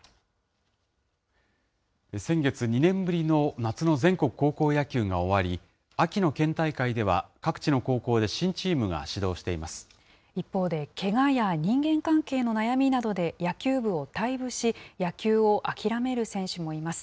先月、２年ぶりの夏の全国高校野球が終わり、秋の県大会では、各地の高一方で、けがや人間関係の悩みなどで野球部を退部し、野球を諦める選手もいます。